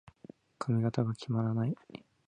髪型が決まらない。